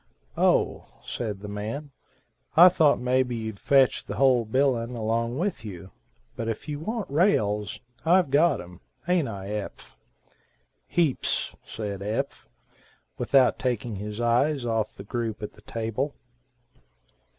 "O," said the man, "I thought maybe you'd fetch the whole bilin along with you. But if you want rails, I've got em, haint I Eph." "Heaps," said Eph, without taking his eyes off the group at the table.